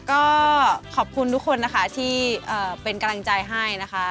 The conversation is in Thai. ก็ขอบคุณทุกคนนะคะที่เป็นกำลังใจให้นะคะ